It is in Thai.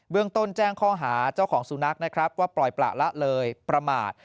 เรื่องต้นแจ้งข้อหาเจ้าของสุนัขนะครับว่าปล่อยประละเลยประมาท